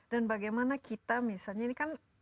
dan bagaimana kita misalnya ini kan